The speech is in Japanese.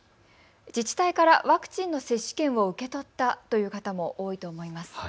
自治体からワクチンの接種券を受け取ったという方も多いと思います。